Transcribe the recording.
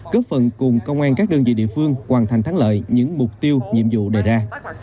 góp phần cùng công an các đơn vị địa phương hoàn thành thắng lợi những mục tiêu nhiệm vụ đề ra